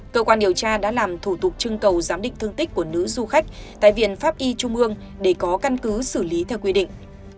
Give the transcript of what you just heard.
cơ quan điều tra đã làm thủ tục trưng cầu giám định thương tích của nữ du khách tại viện pháp y trung ương để có căn cứ xử lý theo quy định